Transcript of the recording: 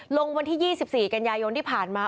ลงวันที่๒๔กันยายนที่ผ่านมา